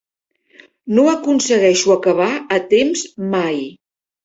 No aconsegueixo acabar a temps mai.